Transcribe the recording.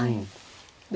で。